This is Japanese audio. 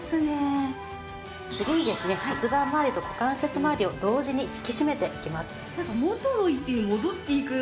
次にですね骨盤まわりと股関節まわりを同時に引きしめていきます。